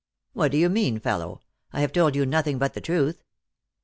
" What do you mean, fellow ? I have told you nothing but the truth."